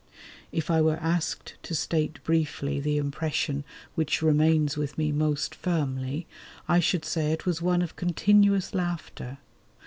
If I were asked to state briefly the impression which remains with me most firmly, I should say it was one of continuous laughter.